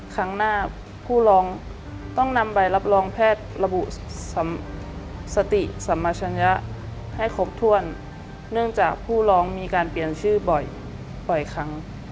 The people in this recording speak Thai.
ครั้งหน้าผู้ร้องต้องนำใบรับรองแพทย์ระบุสติสัมมาชัญญะให้ครบถ้วนเนื่องจากผู้ร้องมีการเปลี่ยนชื่อบ่อยบ่อยครั้ง